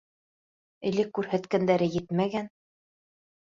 Элек күрһәткәндәре етмәгән...